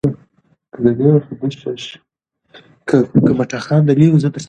په اوس وخت کښي ګڼ شمېر نظامونه سته.